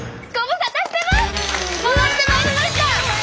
戻ってまいりました！